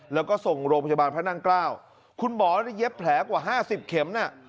แล้วก็ส่งโรงพยาบาลพระนั่งเกล้าคุณหมอได้เย็บแผลกว่าห้าสิบเข็มน่ะ